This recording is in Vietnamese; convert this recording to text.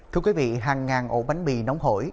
thưa quý vị hàng ngàn ổ bánh mì nóng hổi